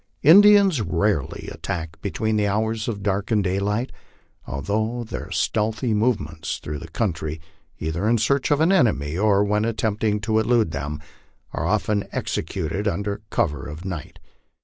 Indians rarely attack between the hours of dark and daylight, although their stealthy movements through the country, either in search of an enemy or when attempt ing to elude them, are often executed under cover of night.